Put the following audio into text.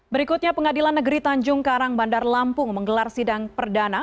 berikutnya pengadilan negeri tanjung karang bandar lampung menggelar sidang perdana